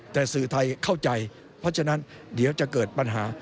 แต่สื่อไทยเข้าใจเพราะฉะนั้นเดี๋ยวจะเกิดปัญหา